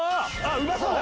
うまそうな。